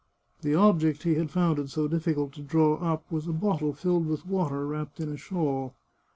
The object he had found it so difficult to draw up was a bottle filled with water, wrapped in a shawl.